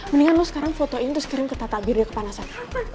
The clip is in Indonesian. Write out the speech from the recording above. mendingan lo sekarang fotoin terus kirim ke tata biar dia kepanasan